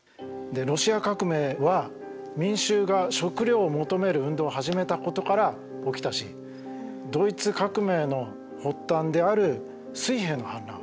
ロシア革命は民衆が食料を求める運動を始めたことから起きたしドイツ革命の発端である水兵の反乱。